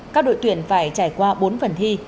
các đội tuyển phải trải qua bốn phần thi